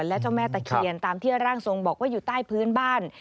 และเจ้าแม่ตะเคียนตามที่ร่างทรงบอกว่าอยู่ใต้พื้นบ้าน